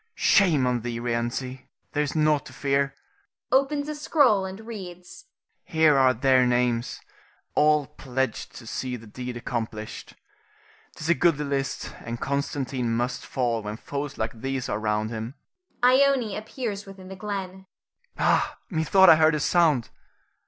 Shame on thee, Rienzi, there is nought to fear [opens a scroll and reads]. Here are their names, all pledged to see the deed accomplished. 'Tis a goodly list and Constantine must fall when foes like these are round him. [Ione appears within the glen. Ha! methought I heard a sound!